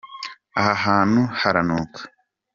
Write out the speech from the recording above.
ahahantu haranuka.